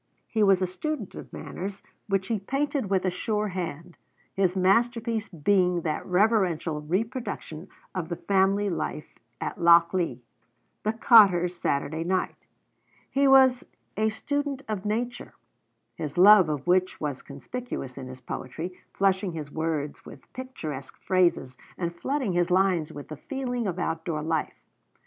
He was a student of manners, which he painted with a sure hand, his masterpiece being that reverential reproduction of the family life at Lochlea, 'The Cotter's Saturday Night.' He was a student of nature, his love of which was conspicuous in his poetry, flushing his words with picturesque phrases and flooding his lines with the feeling of outdoor life.